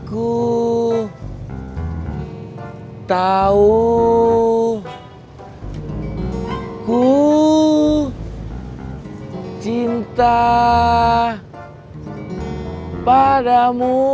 aku tahu ku cinta padamu